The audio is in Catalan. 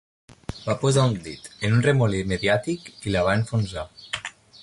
Va posar un dit en el remolí mediàtic i la va enfonsar.